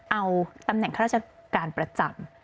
เอาตำแหน่งข้าราชการประจำ